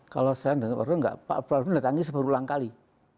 kalau saya dengar pak prabowo enggak pak prabowo datangnya sepuluh ulang kali